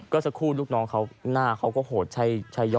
ก็สักครู่ลูกน้องเขาหน้าเขาก็โหดใช่เยอะ